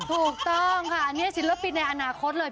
ถูกต้องค่ะอันนี้ศิลปินในอนาคตเลย